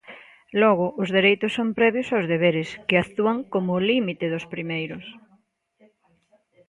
Logo os dereitos son previos aos deberes, que actúan como límite dos primeiros.